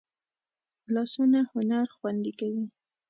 لاسونه هنر خوندي کوي